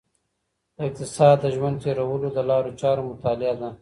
اقتصاد د ژوند تیرولو د لارو چارو مطالعه ده.